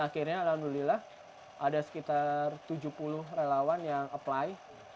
akhirnya alhamdulillah ada sekitar tujuh puluh relawan yang apply